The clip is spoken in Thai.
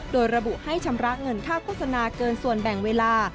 โดยระบุให้ชำระเงินค่าโฆษณาเกินส่วนแบ่งเวลา